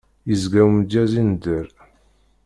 Yezga umedyaz ineddeṛ.